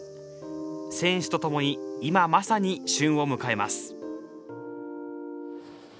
選手と共に今まさに旬を迎えます。